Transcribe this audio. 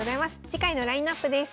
次回のラインナップです。